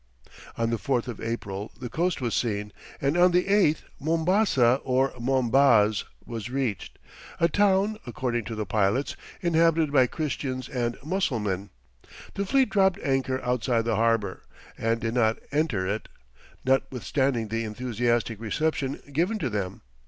On the 4th of April the coast was seen, and on the 8th Mombasa or Mombaz was reached, a town, according to the pilots, inhabited by Christians and Mussulmen. The fleet dropped anchor outside the harbour, and did not enter it, notwithstanding the enthusiastic reception given to them.